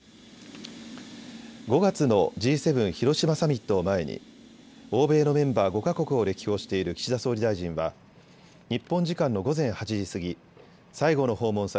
５月のＧ７広島サミットを前に欧米のメンバー５か国を歴訪している岸田総理大臣は日本時間の午前８時過ぎ最後の訪問先